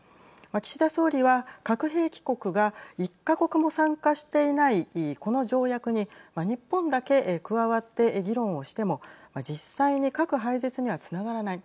岸田総理は、核兵器国が１か国も参加していないこの条約に日本だけ加わって議論をしても実際に核廃絶にはつながらない